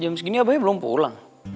jam segini abahnya belum pulang